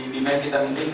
di mes kita meeting